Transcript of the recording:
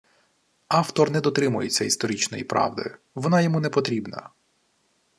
Автор не дотримується історичної правди, вона йому не потрібна